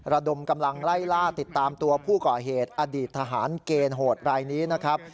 ระดมกำลังไล่ล่าติดตามตัวผู้ก่อเหตุอดีตทหารเกณฑ์โหดรายนี้นะครับ